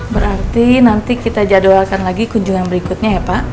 berarti nanti kita jadwalkan lagi kunjungan berikutnya ya pak